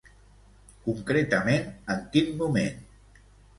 Concretament, en quin moment?